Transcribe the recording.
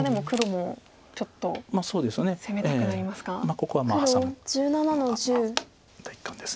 ここはハサむのが第一感です。